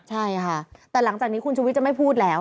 ใช่ค่ะแต่หลังจากนี้คุณชุวิตจะไม่พูดแล้ว